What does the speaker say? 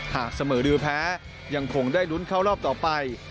หากเสมอหรือแพ้ยังคงได้ลุ้นเข้ารอบต่อไป